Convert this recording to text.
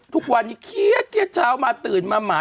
ทุกวันนี้เครียดเช้ามาตื่นมาหมา